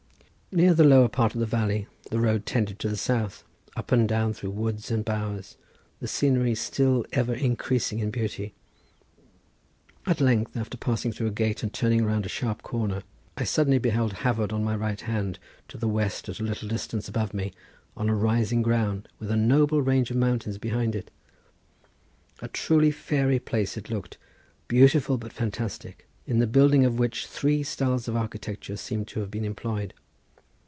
Near the lower part of the valley the road tended to the south, up and down through woods and bowers, the scenery still ever increasing in beauty. At length, after passing through a gate and turning round a sharp corner, I suddenly beheld Hafod on my right hand, to the west at a little distance above me, on a rising ground, with a noble range of mountains behind it. A truly fairy place it looked, beautiful but fantastic, in the building of which three styles of architecture seemed to have been employed.